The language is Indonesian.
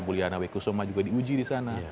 bulyana wekusoma juga diuji di sana